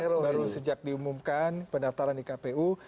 baru sejak diumumkan pendaftaran di kpu